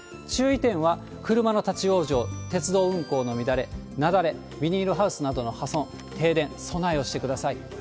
注意点は、車の立往生、鉄道運行の乱れ、雪崩、ビニールハウスなどの破損、停電、備えをしてください。